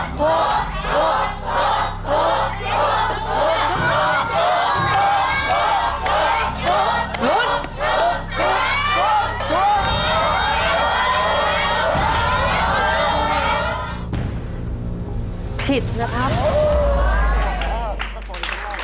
หมดหมดหมด